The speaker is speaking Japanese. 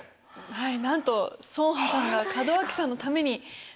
はい。